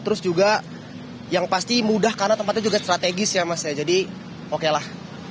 terus juga yang pasti mudah karena tempatnya juga strategis ya mas ya jadi oke lah